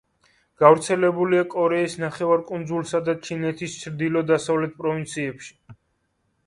გავრცელებულია კორეის ნახევარკუნძულსა და ჩინეთის ჩრდილო-დასავლეთ პროვინციებში.